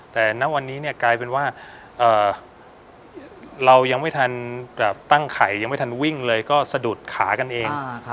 แต่ณวันนี้กลายเป็นว่าเรายังไม่ทันตั้งไข่ยังไม่ทันวิ่งเลยก็สะดุดขากันเอง